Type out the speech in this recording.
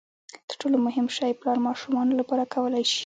تر ټولو مهم شی پلار ماشومانو لپاره کولای شي.